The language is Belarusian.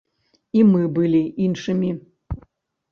І мы былі іншымі.